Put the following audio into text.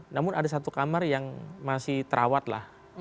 namun ada satu kamar yang masih terawat lah